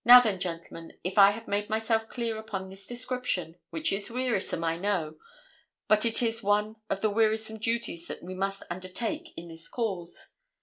Now then, gentlemen, if I have made myself clear upon this description, which is wearisome, I know, but it is one of the wearisome duties that we must undertake in this cause.